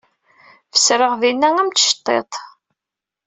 Fesreɣ dinna am tceṭṭiḍt.